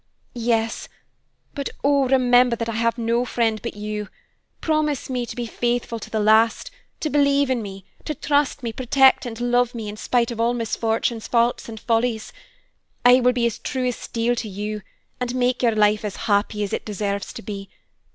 "Yes; but oh, remember that I have no friend but you! Promise me to be faithful to the last to believe in me, to trust me, protect and love me, in spite of all misfortunes, faults, and follies. I will be true as steel to you, and make your life as happy as it deserves to be.